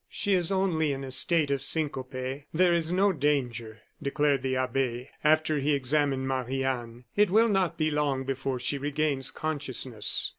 "She is only in a state of syncope; there is no danger," declared the abbe, after he had examined Marie Anne. "It will not be long before she regains consciousness."